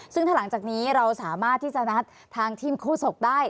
ซึ่งถ้าหลังจากนี้เราสามารถที่จะนัดทางทีมโฆษกได้